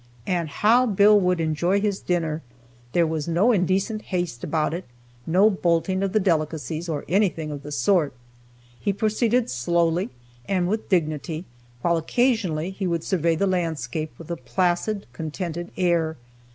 And how Bill would enjoy his dinner! There was no indecent haste about it, no bolting of the delicacies, or anything of the sort. He proceeded slowly and with dignity, while occasionally he would survey the landscape with a placid, contented air.